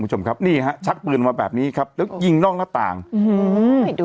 คุณผู้ชมครับนี่ฮะชักปืนมาแบบนี้ครับแล้วยิงนอกหน้าต่างอืมดู